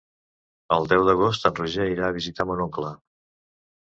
El deu d'agost en Roger irà a visitar mon oncle.